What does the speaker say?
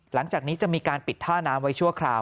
หลังจากนี้จะมีการปิดท่าน้ำไว้ชั่วคราว